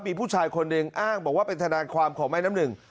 มีผู้ชายคนหนึ่งอ้างบอกว่าเป็นทนายความของแม่น้ำหนึ่ง